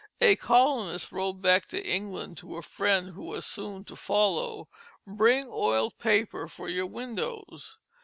A colonist wrote back to England to a friend who was soon to follow, "Bring oiled paper for your windows."